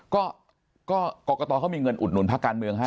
ก็กรกตเขามีเงินอุดหนุนพักการเมืองให้